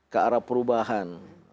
ke arah perubahan